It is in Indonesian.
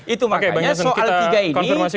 itu makanya soal tiga ini